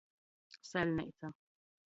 Saļneica.